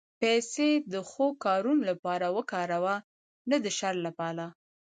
پېسې د ښو کارونو لپاره وکاروه، نه د شر لپاره.